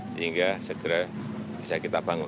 sehingga segera bisa kita bangun